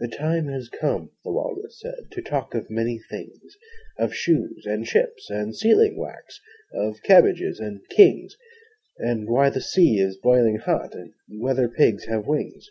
'The time has come,' the Walrus said, 'To talk of many things: Of shoes and ships and sealing wax Of cabbages and kings And why the sea is boiling hot And whether pigs have wings.'